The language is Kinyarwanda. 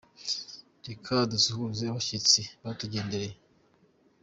Reka dusuhuze abashyitsi batugendereye.